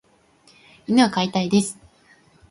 犬を飼いたいです。